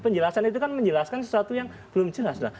penjelasan itu kan menjelaskan sesuatu yang belum jelas